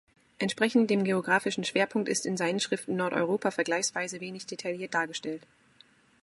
Entsprechend dem geographischen Schwerpunkt ist in seinen Schriften Nordeuropa vergleichsweise wenig detailliert dargestellt.